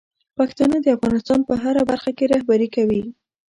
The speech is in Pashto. پښتانه د افغانستان په هره برخه کې رهبري کوي.